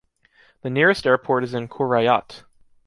The nearest airport is in Qurayyat.